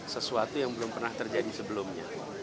sesuatu yang belum pernah terjadi sebelumnya